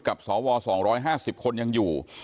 สว๒๕๐คนยังอยู่